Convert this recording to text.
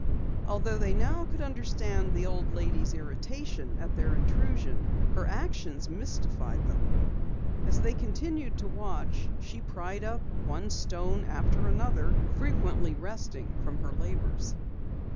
Although they now could understand the old lady's irritation at their intrusion, her actions mystified them. As they continued to watch, she pried up one stone after another, frequently resting from her labors.